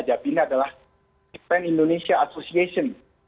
japinda adalah japan indonesia association